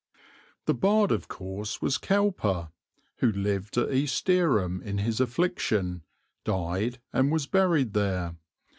The bard of course was Cowper, who lived at East Dereham in his affliction, died and was buried there.